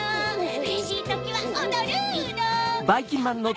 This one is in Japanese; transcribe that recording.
うれしいときはおどるの！